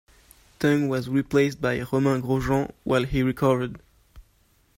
Tung was replaced by Romain Grosjean while he recovered.